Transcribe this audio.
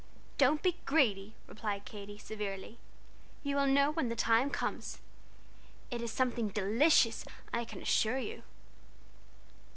"Don't be greedy," replied Katy, severely; "you will know when the time comes. It is something delicious, I can assure you.